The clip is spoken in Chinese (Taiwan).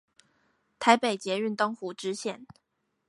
台北捷運東湖支線